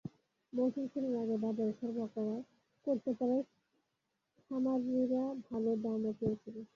মৌসুম শুরুর আগেই বাজারে সরবরাহ করতে পারায় খামারিরা ভালো দামও পেয়েছেন।